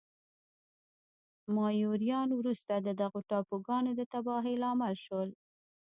مایوریان وروسته د دغو ټاپوګانو د تباهۍ لامل شول.